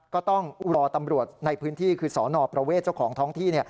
ก็ต้องรอตำรวจในพื้นที่คือสนประเวทเจ้าของท้องที่